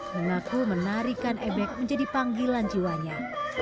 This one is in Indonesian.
mengaku menarikan ebek menjadi panggilan jiwanya